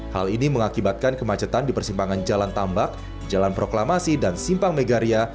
hal ini mengakibatkan kemacetan di persimpangan jalan tambak jalan proklamasi dan simpang megaria